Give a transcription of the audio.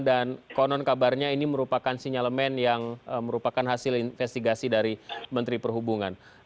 dan konon kabarnya ini merupakan sinyalemen yang merupakan hasil investigasi dari menteri perhubungan